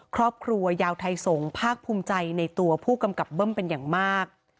ครอบครัวยาวไทยสงศ์ภาคภูมิใจในตัวผู้กำกับเบิ้มเป็นอย่างมาก